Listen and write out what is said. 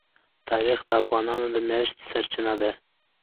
تاریخ د افغانانو د معیشت سرچینه ده.